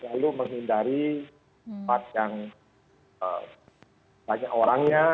lalu menghindari tempat yang banyak orangnya